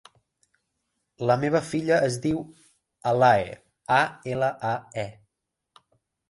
La meva filla es diu Alae: a, ela, a, e.